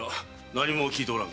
何も聞いておらん。